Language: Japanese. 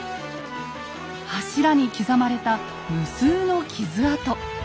柱に刻まれた無数の傷痕。